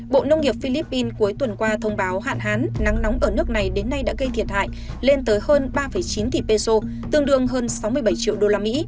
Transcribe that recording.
bộ nông nghiệp philippines cuối tuần qua thông báo hạn hán nắng nóng ở nước này đến nay đã gây thiệt hại lên tới hơn ba chín tỷ peso tương đương hơn sáu mươi bảy triệu usd